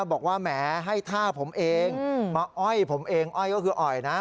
บอกว่าแหมให้ท่าผมเองมาอ้อยผมเองอ้อยก็คืออ่อยนะ